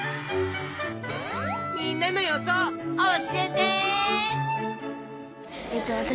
みんなの予想教えて！